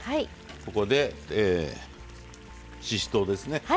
ここで、ししとうですね。